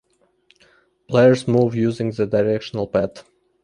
Players move using the directional pad.